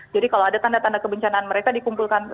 jadi kalau ada tanda tanda kebencanaan mereka dikumpulkan